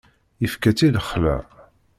Ifka-tt i lexla.